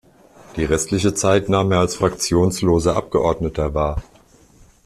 Die restliche Zeit nahm er als fraktionsloser Abgeordneter wahr.